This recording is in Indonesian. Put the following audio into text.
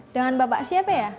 dengan bapak siapa ya